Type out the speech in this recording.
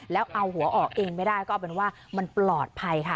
แล้วเอาหัวออกเองไม่ได้ก็เอาเป็นว่ามันปลอดภัยค่ะ